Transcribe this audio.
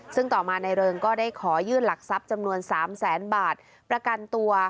ซึ่งต่อมานายเริงก็ได้ขอยื่นหลักทรัพย์จำนวน๓แสนบาทประกันตัว